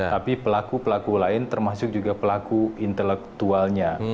tapi pelaku pelaku lain termasuk juga pelaku intelektualnya